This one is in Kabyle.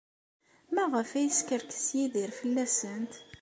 Maɣef ay yeskerkes Yidir fell-asent?